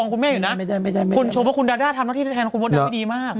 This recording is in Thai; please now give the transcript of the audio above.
คุณแม่อยู่นะไม่ได้ไม่ได้ไม่ได้คุณโชคว่าคุณดาดาทำต้องที่แทนคุณบนดังไม่ดีมาก